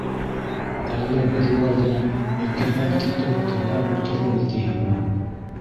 Әллә беҙ уларҙы мөкиббән китеп тыңлап ултырырбыҙ тиһеңме?